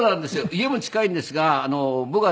家も近いんですが僕はね